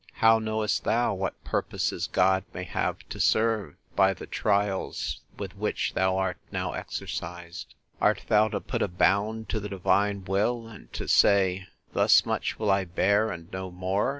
How knowest thou what purposes God may have to serve, by the trials with which thou art now exercised? Art thou to put a bound to the divine will, and to say, Thus much will I bear, and no more?